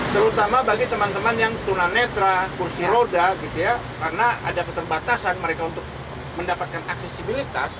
terutama bagi teman teman yang tunanetra kursi roda karena ada keterbatasan mereka untuk mendapatkan aksesibilitas